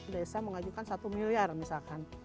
desa mengajukan satu miliar misalkan